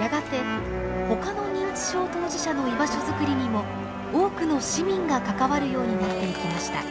やがてほかの認知症当事者の居場所づくりにも多くの市民が関わるようになっていきました。